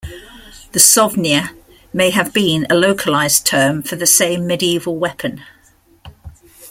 The sovnya may have been a localized term for the same medieval weapon.